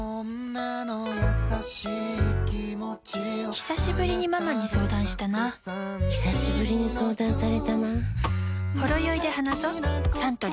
ひさしぶりにママに相談したなひさしぶりに相談されたな